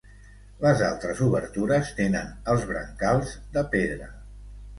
Les altres obertures tenen els brancals de pedra.